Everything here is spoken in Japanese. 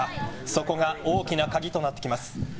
そこが大きな鍵となってきます。